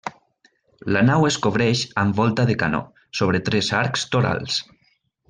La nau es cobreix amb volta de canó, sobre tres arcs torals.